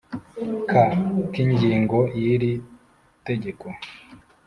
ka k ingingo ya y iri tegeko